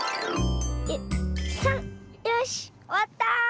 よしおわった！